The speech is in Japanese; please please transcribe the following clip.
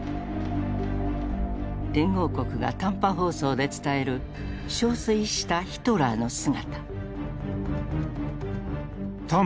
連合国が短波放送で伝える憔悴したヒトラーの姿。